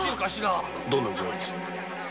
どんな具合です？